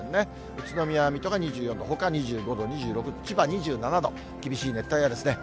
宇都宮、水戸が２４度、ほか２５度、２６度、千葉２７度、厳しい熱帯夜ですね。